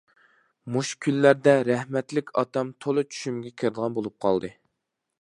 مۇشۇ كۈنلەردە رەھمەتلىك ئاتام تولا چۈشۈمگە كىرىدىغان بولۇپ قالدى.